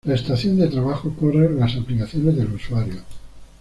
La Estación de trabajo corre las aplicaciones del usuario.